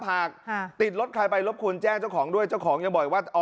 หากติดรถใครไปรบกวนแจ้งเจ้าของด้วยเจ้าของยังบอกว่า